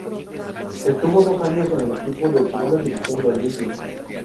Estuvo dos años en el equipo de segunda división de Olimpia.